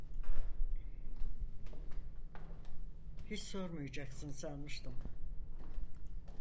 Hiç sormayacaksın sanmıştım.